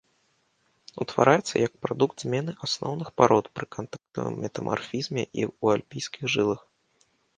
Утвараецца як прадукт змены асноўных парод пры кантактавым метамарфізме і ў альпійскіх жылах.